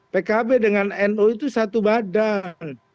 pkb dengan nu itu satu badan